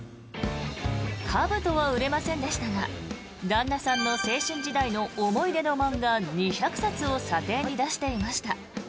かぶとは売れませんでしたが旦那さんの青春時代の思い出の漫画２００冊を査定に出していました。